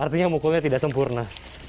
artinya mukulnya tidak sempurna